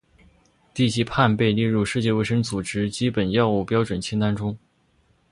地西泮被列入世界卫生组织基本药物标准清单中。